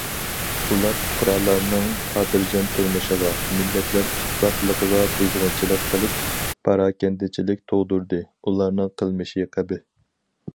ئۇلار پۇقرالارنىڭ خاتىرجەم تۇرمۇشىغا، مىللەتلەر ئىتتىپاقلىقىغا بۇزغۇنچىلىق قىلىپ، پاراكەندىچىلىك تۇغدۇردى، ئۇلارنىڭ قىلمىشى قەبىھ.